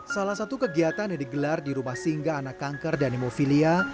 salah satu kegiatan yang digelar di rumah singga anak kanker dan imofilia